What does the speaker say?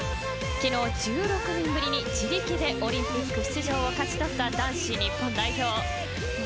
昨日、１６年ぶりに自力でオリンピック出場を勝ち取った男子日本代表。